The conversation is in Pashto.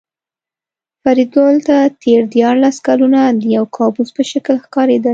فریدګل ته تېر دیارلس کلونه د یو کابوس په شکل ښکارېدل